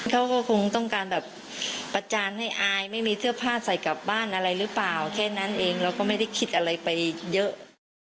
เขาก็คงต้องการแบบประจานให้อายไม่มีเสื้อผ้าใส่กลับบ้านอะไรหรือเปล่าแค่นั้นเองเราก็ไม่ได้คิดอะไรไปเยอะ